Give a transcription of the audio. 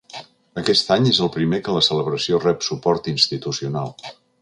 Aquest any és el primer que la celebració rep suport institucional.